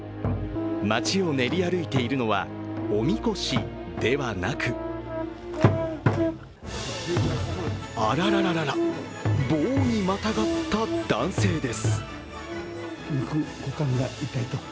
町を練り歩いているのは、おみこしではなくあらららら棒にまたがった男性です。